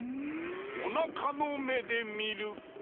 おなかのめでみる！